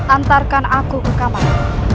antarkan aku ke kamar